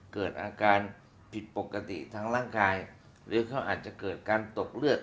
เกิดอาการผิดปกติทางร่างกายหรือเขาอาจจะเกิดการตกเลือด